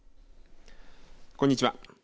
こんにちは。